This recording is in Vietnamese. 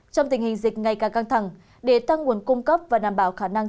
trong tình hình dịch ngày càng căng thẳng để tăng nguồn cung cấp và đảm bảo khả năng